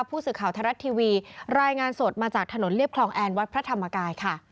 ผู้สื่อข่าวไทยรัฐทีวีรายงานสดมาจากถนนเรียบคลองแอนวัดพระธรรมกายค่ะ